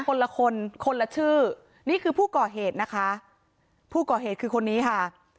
คนละคนคนละชื่อนี่คือผู้ก่อเหตุนะคะผู้ก่อเหตุคือคนนี้ค่ะ